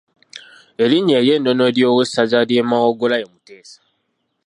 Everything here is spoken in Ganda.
Erinnya ery’ennono ery’owessaza ly’e Mawogola ye Muteesa.